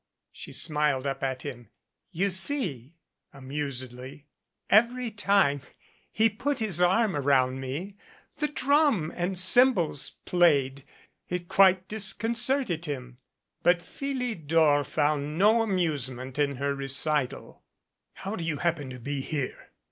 She smiled up at him. "You see," amusedly, "every time he put his arm around me the drum and cymbals played. It quite disconcerted him." But Phili dor found no amusement in her recital. "How do you happen to be here?"